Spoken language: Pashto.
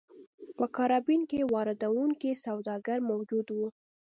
په کارابین کې واردوونکي سوداګر موجود وو.